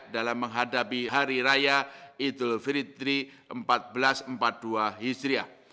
dalam menghadapi hari raya idul fitri seribu empat ratus empat puluh dua hijriah